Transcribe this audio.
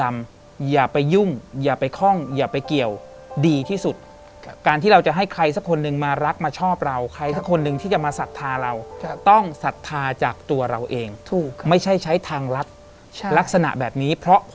มีแล้วก็จะต้องตั้งชื่อ